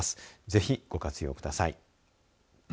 ぜひご活用ください。